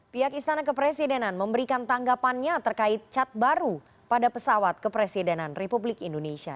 pihak istana kepresidenan memberikan tanggapannya terkait cat baru pada pesawat kepresidenan republik indonesia